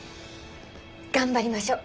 頑張りましょう。